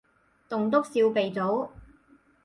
棟篤笑鼻祖